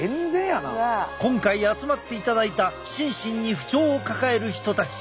今回集まっていただいた心身に不調を抱える人たち